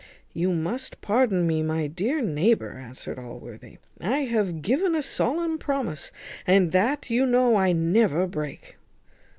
"You must pardon me, my dear neighbour!" answered Allworthy; "I have given a solemn promise, and that you know I never break."